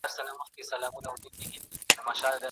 ستا پسرلي ته به شعرونه جوړ کړم